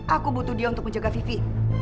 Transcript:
aku butuh dia untuk menjaga vivi